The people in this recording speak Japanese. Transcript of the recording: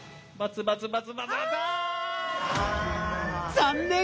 残念。